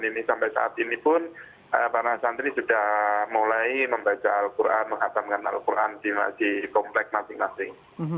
dan ini sampai saat ini pun para santri sudah mulai membaca al quran mengatamkan al quran di masjid komplek masing masing